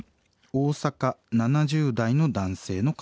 大阪７０代の男性の方。